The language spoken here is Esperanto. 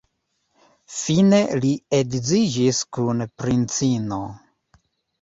Fine li edziĝis kun princino.